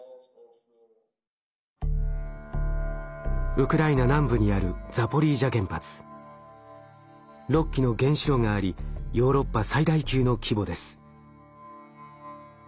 ウクライナ南部にある６基の原子炉がありヨーロッパ最大級の規模です。